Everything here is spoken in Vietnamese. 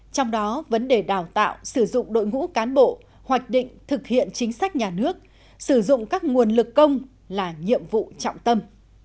trong đó vấn đề đào tạo sử dụng đội ngũ cán bộ hoạch định thực hiện chính sách nhà nước sử dụng các nguồn lực công là nhiệm vụ trọng tâm